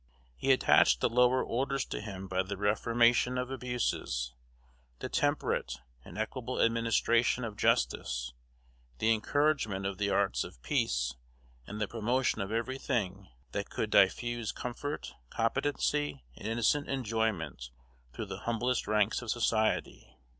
He attached the lower orders to him by the reformation of abuses, the temperate and equable administration of justice, the encouragement of the arts of peace, and the promotion of every thing that could diffuse comfort, competency, and innocent enjoyment through the humblest ranks of society.